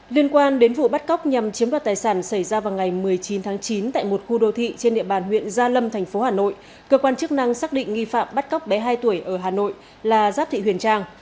liên quan đến vụ bắt cóc nhằm chiếm đoạt tài sản xảy ra vào ngày một mươi chín tháng chín tại một khu đô thị trên địa bàn huyện gia lâm thành phố hà nội cơ quan chức năng xác định nghi phạm bắt cóc bé hai tuổi ở hà nội là giáp thị huyền trang